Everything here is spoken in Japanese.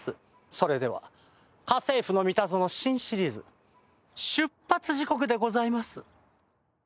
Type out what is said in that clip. それでは「家政夫のミタゾノ」新シリーズ出発時刻でございます。